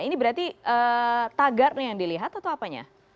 ini berarti tagarnya yang dilihat atau apanya